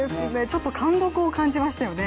ちょっと貫禄を感じましたよね。